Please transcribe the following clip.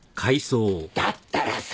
だったらさ。